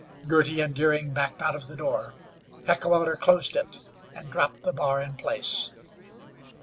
Girty and Deering backed out of the door. Heckewelder closed it, and dropped the bar in place.